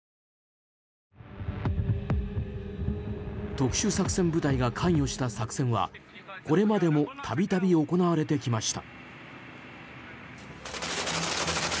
特殊作戦部隊が関与した作戦はこれまでも度々行われてきました。